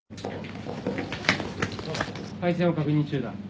配線を確認中だ。